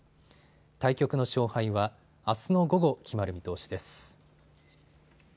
対局の勝敗はあすの午後、決まる見通しです。